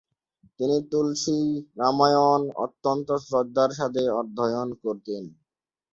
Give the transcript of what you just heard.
তিনি তুলসী রামায়ণ অত্যন্ত শ্রদ্ধার সাথে অধ্যয়ন করতেন।